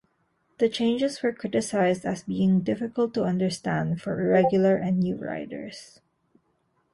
The changes were criticized as being difficult to understand for irregular and new riders.